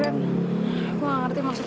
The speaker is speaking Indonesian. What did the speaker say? tanpa masalah waktu yang lain